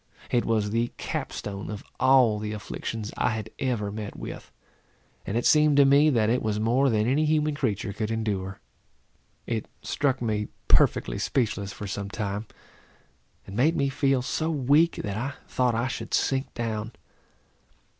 It was the cap stone of all the afflictions I had ever met with; and it seemed to me, that it was more than any human creature could endure. It struck me perfectly speechless for some time, and made me feel so weak, that I thought I should sink down.